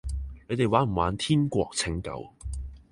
你哋玩唔玩天國拯救？